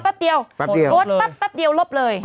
รถปั๊บปั๊บเดียวลบเลย